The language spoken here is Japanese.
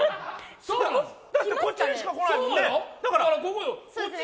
だってこっちにしか来ないんだもんね。